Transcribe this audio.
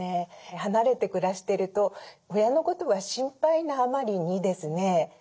離れて暮らしてると親のことが心配なあまりにですね